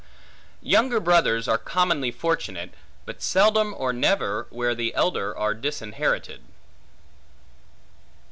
Younger brothers are commonly fortunate, but seldom or never where the elder are disinherited.